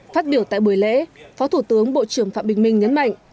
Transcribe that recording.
phát biểu tại buổi lễ phó thủ tướng bộ trưởng phạm bình minh nhấn mạnh